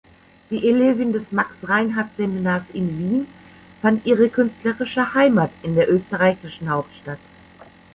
Die Elevin des Max-Reinhardt-Seminars in Wien fand ihre künstlerische Heimat in der österreichischen Hauptstadt.